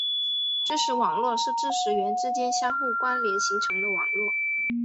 知识网络是知识元之间相互关联形成的网络。